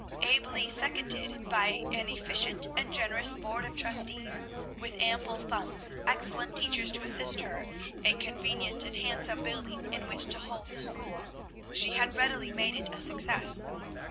Ably seconded by an efficient and generous board of trustees, with ample funds, excellent teachers to assist her, a convenient and handsome building in which to hold the school, she had readily made it a success.